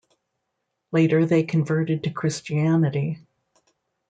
Later they converted to Christianity.